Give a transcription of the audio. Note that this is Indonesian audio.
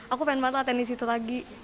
aku pengen banget latihan di situ lagi